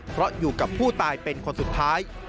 เพราะอยู่กับผู้ตายเป็นคนสุดท้าย